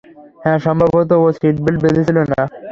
হ্যাঁ, সম্ভবত, ও সিট বেল্ট বেঁধেছিল না।